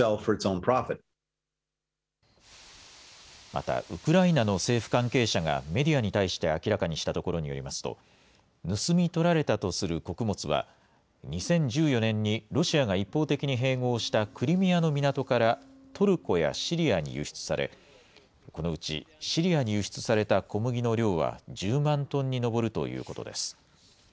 またウクライナの政府関係者がメディアに対して明らかにしたところによりますと、盗み取られたとする穀物は、２０１４年にロシアが一方的に併合したクリミアの港からトルコやシリアに輸出され、このうちシリアに輸出された小麦の量は、１０万トンに上るということです。